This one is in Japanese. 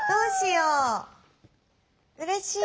うれしい。